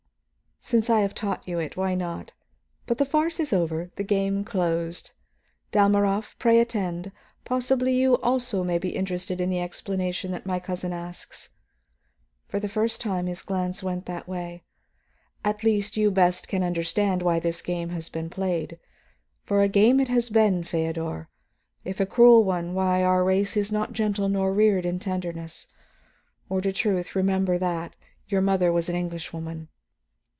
"Since I have taught you it, why not? But the farce is over, the game closed. Dalmorov, pray attend; possibly you also may be interested in the explanation that my cousin asks." For the first time his glance went that way. "At least you best can understand why this game has been played. For a game it has been, Feodor. If a cruel one, why, our race is not gentle nor reared in tenderness. Or to truth, remember that; your mother was an Englishwoman.